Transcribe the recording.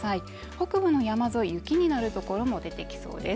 北部の山沿いを雪になるところも出てきそうです。